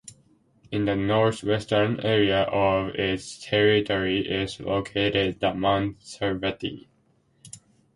In the north-western area of its territory is located the mount Cervati.